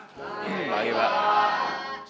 selamat pagi pak